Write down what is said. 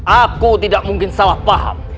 aku tidak mungkin salah paham